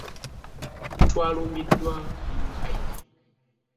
Twalumbiddwa embwa ye.